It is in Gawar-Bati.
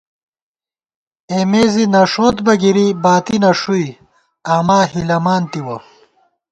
اېمےزی نَݭوت بہ گِری باتی نݭُوئی، آماہِلَمان تِوَہ